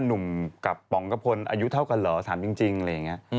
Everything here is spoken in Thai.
นุ่มกับปองกระพนอายุเท่ากันเหรอถามจริง